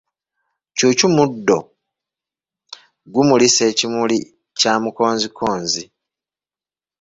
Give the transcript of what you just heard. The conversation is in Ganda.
Ccuucu muddo pgumulisa ekimuli kya mukonzikonzi.